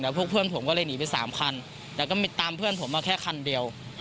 พวกเพื่อนผมก็เลยหนีไป๓คันแล้วก็ตามเพื่อนผมมาแค่คันเดียว